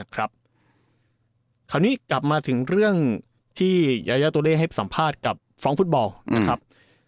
คราวนี้กลับมาถึงเรื่องที่ยายาตัวเลขให้สัมภาษณ์กับฟ้องฟุตบอลนะครับ